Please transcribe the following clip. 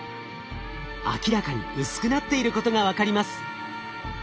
明らかに薄くなっていることが分かります。